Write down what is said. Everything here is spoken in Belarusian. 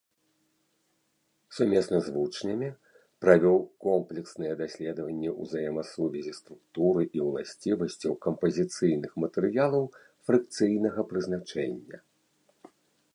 Сумесна з вучнямі правёў комплексныя даследаванні ўзаемасувязі структуры і уласцівасцяў кампазіцыйных матэрыялаў фрыкцыйнага прызначэння.